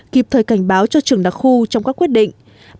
kịp thời cảnh báo cho trường đặc khu trong các quyết định